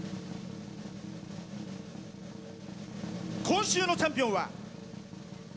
今週のチャンピオンは。